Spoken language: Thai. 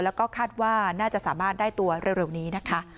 และคาดว่าน่าจะสามารถได้ตัวเร็วนี้